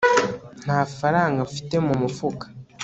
nta faranga mfite mu mufuka